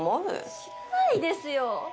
知らないですよ。